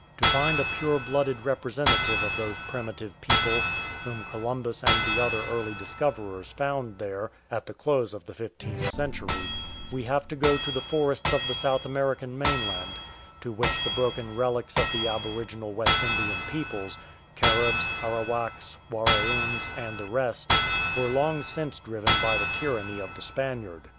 To find a pure blooded representative of those primitive people whom Columbus and the other early dis coverers found there at the close of the fifteenth century, we have to go to the forests of the South American main land, to which the broken relics of the aboriginal West Indian peoples — Caribs, Arawaks, Waraoons, and the rest — were long since driven by the tyranny of the Spaniard.